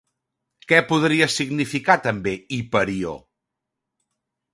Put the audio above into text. Què podria significar també Hiperió?